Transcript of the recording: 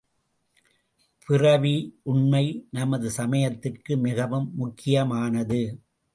பிறவியுண்மை நமது சமயத்திற்கு மிகவும் முக்கியமானது.